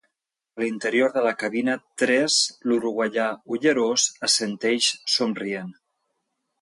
A l'interior de la cabina tres l'uruguaià ullerós assenteix somrient.